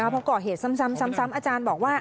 พอก่อเหตุซ้ำอาจารย์บอกว่า